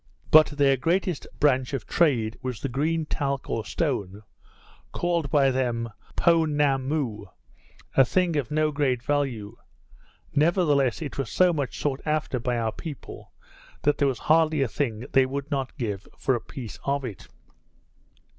But their greatest branch of trade was the green talc or stone, called by them Poenammoo, a thing of no great value; nevertheless it was so much sought after by our people, that there was hardly a thing they would not give for a piece of it.